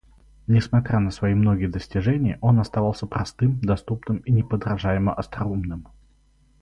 Несмотря на свои многие достижения, он оставался простым, доступным и неподражаемо остроумным.